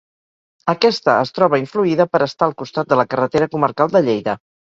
Aquesta es troba influïda per estar al costat de la carretera comarcal de Lleida.